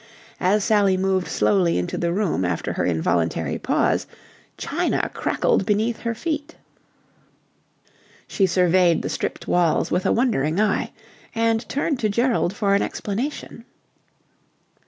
As Sally moved slowly into the room after her involuntary pause, china crackled beneath her feet. She surveyed the stripped walls with a wondering eye, and turned to Gerald for an explanation.